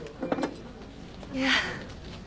いや。